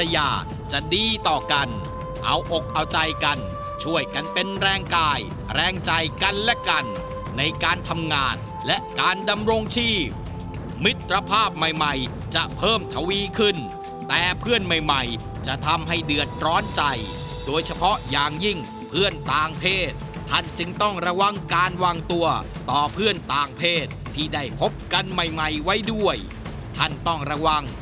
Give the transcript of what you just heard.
ท่านจะมีความสุขสมอารมณ์หวังในเรื่องความสุขสมอารมณ์หวังในเรื่องความสุขสมอารมณ์หวังในเรื่องความสุขสมอารมณ์หวังในเรื่องความสุขสมอารมณ์หวังในเรื่องความสุขสมอารมณ์หวังในเรื่องความสุขสมอารมณ์หวังในเรื่องความสุขสมอารมณ์หวังในเรื่องความสุขสมอารมณ์หวังในเรื่องความสุขสมอารมณ์หวัง